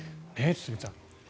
堤さん。